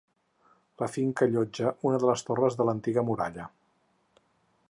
La finca allotja una de les torres de l'antiga muralla.